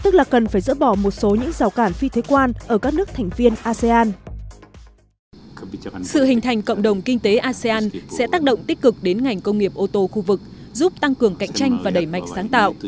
cộng đồng kinh tế asean aec sẽ tác động tích cực đến ngành công nghiệp ô tô khu vực giúp tăng cường cạnh tranh và đẩy mạch sáng tạo